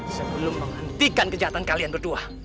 sebelum menghentikan kejahatan kalian berdua